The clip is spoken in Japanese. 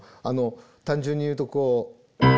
単純に言うとこう。